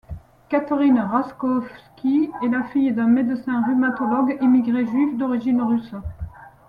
Catherine Raskovsky est la fille d'un médecin rhumatologue immigré juif d'origine russe.